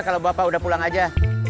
kalau bapak udah pulang aja